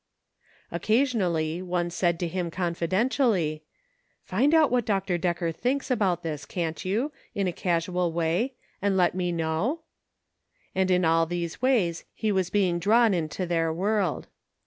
Occasionally one said to him confidentially, " Find out what Dr. Decker thinks about this, can't you, in a casual way and let me know ,''" And in all these ways was he being drawn into their world.